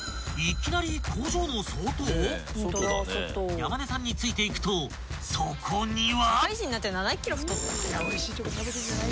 ［山根さんについていくとそこには］